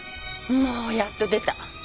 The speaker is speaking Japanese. もうやっと出た。